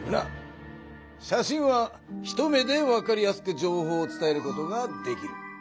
写真は一目でわかりやすく情報をつたえることができる。